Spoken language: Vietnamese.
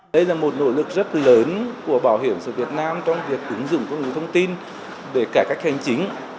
đây là một nỗ lực rất lớn của bảo hiểm xã hội việt nam trong việc ứng dụng công nghệ thông tin về cải cách hành chính